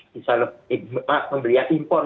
bisa membeli impor